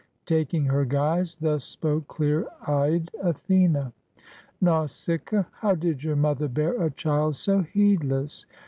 Taking her guise, thus spoke clear eyed Athene: — "Nausicaa, how did your mother bear a child so heed less?